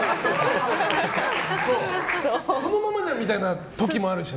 そのままじゃんみたいな時もあるしね。